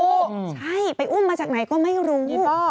ใช่ไปอุ้มมาจากไหนก็ไม่รู้